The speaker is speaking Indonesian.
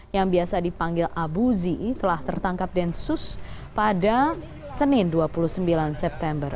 yang biasa dipanggil abu zi telah tertangkap densus pada senin dua puluh sembilan september